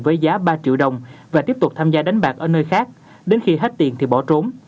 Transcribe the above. với giá ba triệu đồng và tiếp tục tham gia đánh bạc ở nơi khác đến khi hết tiền thì bỏ trốn